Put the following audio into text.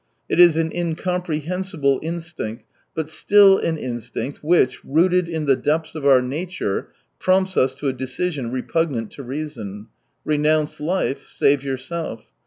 It is an incomprehensible in stinct, but still an instinct which, rooted in the depths of our nature, prompts us to a decision repugnant to reason : renounce life, save yourself.